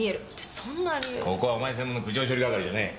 ここはお前専門の苦情処理係じゃねえ。